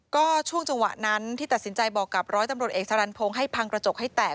ก็ช่วงจังหวะนั้นที่ตัดสินใจบอกกับร้อยตำรวจเอกสรรพงศ์ให้พังกระจกให้แตก